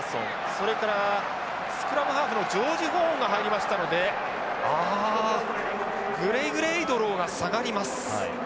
それからスクラムハーフのジョージホーンが入りましたのでグレイグレイドロウが下がります。